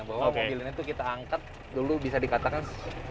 bahwa mobil ini tuh kita angkat dulu bisa dikatakan